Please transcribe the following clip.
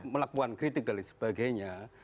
melakukan kritik dan lain sebagainya